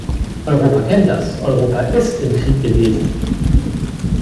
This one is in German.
Europa kennt das, Europa ist im Krieg gewesen.